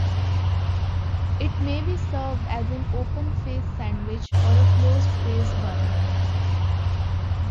It may be served as an open face sandwich or a closed face one.